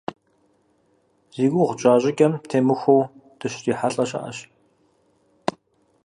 Зи гугъу тщӏа щӏыкӏэм темыхуэу дыщрихьэлӏэ щыӏэщ.